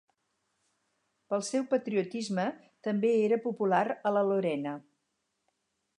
Pel seu patriotisme, també era popular a la Lorena.